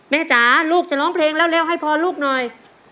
จ๋าลูกจะร้องเพลงแล้วให้พรลูกหน่อย